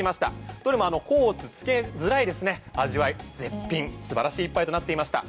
どれも甲乙つけづらいような素晴らしい一杯となっていました。